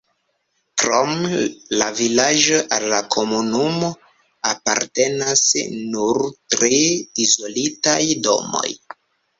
Krom la vilaĝo al la komunumo apartenas nur tri izolitaj domoj.